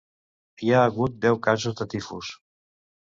Hi ha hagut deu casos de tifus.